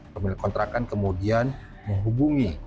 pemilik kontrakan kemudian menghubungi